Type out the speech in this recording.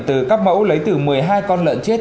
từ các mẫu lấy từ một mươi hai con lợn chết